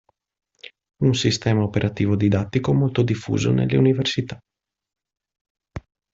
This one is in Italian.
Un sistema operativo didattico molto diffuso nelle università.